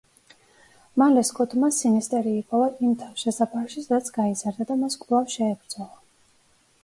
მალე სკოტმა სინისტერი იპოვა იმ თავშესაფარში, სადაც გაიზარდა და მას კვლავ შეებრძოლა.